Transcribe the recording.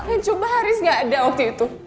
eh coba haris gak ada waktu itu